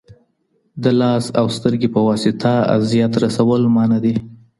د لاس او سترګې په واسطه اذيت رسول منع دي.